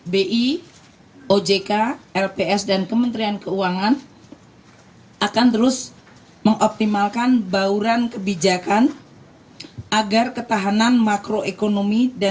bi ojk lps dan kementerian keuangan akan terus mengoptimalkan bauran kebijakan agar ketahanan makroekonomi dan kebiasaan ekonomi akan terus berjalan